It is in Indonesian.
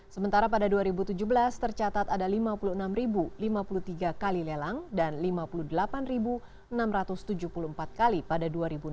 sementara pada dua ribu tujuh belas tercatat ada lima puluh enam lima puluh tiga kali lelang dan lima puluh delapan enam ratus tujuh puluh empat kali pada dua ribu enam belas